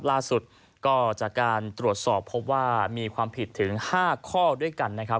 ล่าสุดก็จากการตรวจสอบพบว่ามีความผิดถึง๕ข้อด้วยกันนะครับ